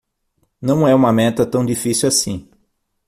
Não é uma meta tão difícil assim.